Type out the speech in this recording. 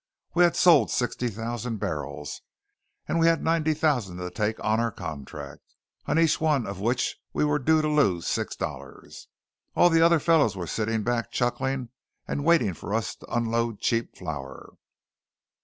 We had sold sixty thousand barrels, and we had ninety thousand to take on our contract, on each one of which we were due to lose six dollars. And the other fellows were sitting back chuckling and waiting for us to unload cheap flour."